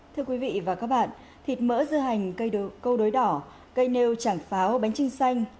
thưa quý vị và các bạn thịt mỡ dưa hành cây câu đối đỏ cây nêu chẳng pháo bánh chinh xanh